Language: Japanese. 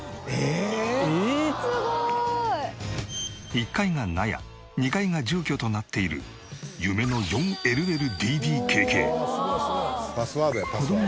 １階が納屋２階が住居となっている夢の４ＬＬＤＤＫＫ。